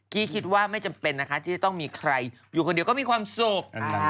กี้คิดว่าไม่จำเป็นนะคะที่จะต้องมีใครอยู่คนเดียวก็มีความสุข